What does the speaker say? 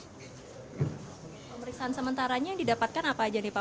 pemeriksaan sementaranya yang didapatkan apa aja nih pak